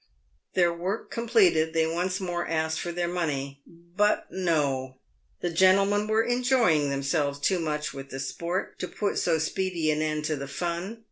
Their work completed, they once more PAYED WITH GOLD. 121 asked for their money ; but no ! the gentlemen were enjoying them selves too much with the sport to put so speedy an end to the fun.